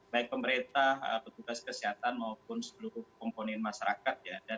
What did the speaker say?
baik pemerintah petugas kesehatan maupun seluruh komponen masyarakat